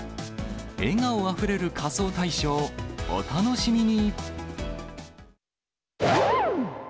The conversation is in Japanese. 笑顔あふれる仮装大賞、お楽しみに―！